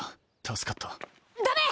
助かった。